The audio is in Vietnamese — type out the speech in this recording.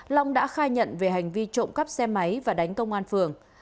long đã khai nhận về hành vi trộm cắp xe máy và đánh công an phường